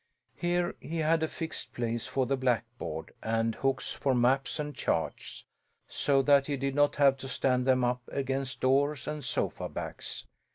Here he had a fixed place for the blackboard and hooks for maps and charts, so that he did not have to stand them up against doors and sofa backs.